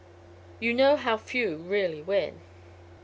You know how few really win."